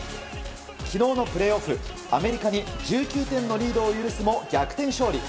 昨日のプレーオフ、アメリカに１９点のリードを許すも逆転勝利。